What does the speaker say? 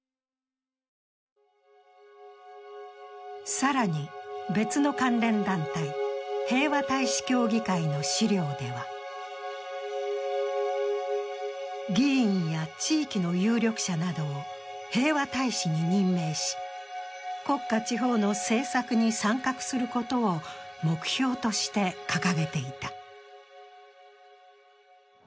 更に、別の関連団体、平和大使協議会の資料では議員や地域の有力者などを平和大使に任命し、国家・地方の政策に参画することを目標として掲げていた。